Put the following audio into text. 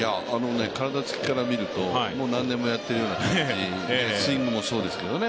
体つきからみるともう何年もやってるような感じ、スイングもそうですけどね。